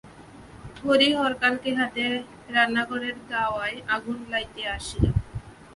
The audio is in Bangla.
হরিহর কলকে হাতে রান্নাঘরের দাওয়ায় আগুন লাইতে আসিল।